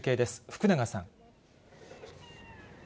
福永さん。